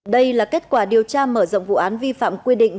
đây là kết quả điều tra mở rộng vụ án vi phạm quy định